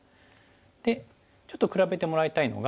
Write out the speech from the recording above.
でちょっと比べてもらいたいのが。